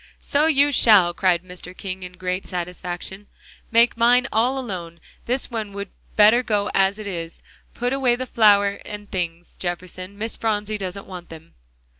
"So you shall!" cried Mr. King in great satisfaction, "make mine all alone. This one would better go as it is. Put away the flour and things, Jefferson; Miss Phronsie doesn't want them."